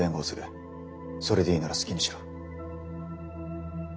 それでいいなら好きにしろ。